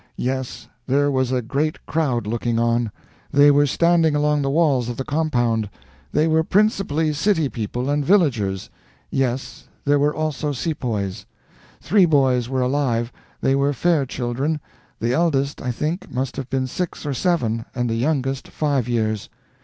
Yes: there was a great crowd looking on; they were standing along the walls of the compound. They were principally city people and villagers. Yes: there were also sepoys. Three boys were alive. They were fair children. The eldest, I think, must have been six or seven, and the youngest five years.